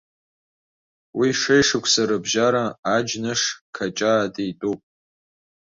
Уи шеишықәсеи рыбжьара аџьныш-қаҷаа дитәуп.